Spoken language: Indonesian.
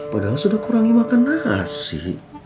padahal sudah kurangi makan nasi